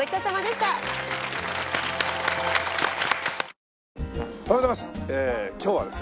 おはようございます。